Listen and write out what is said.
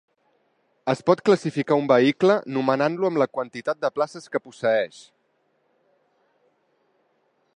Es pot classificar un vehicle nomenant-lo amb la quantitat de places que posseeix.